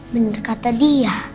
bener kata dia